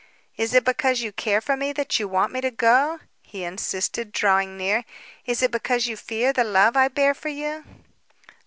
"Is it because you care for me that you want me to go?" he insisted, drawing near. "Is it because you fear the love I bear for you?"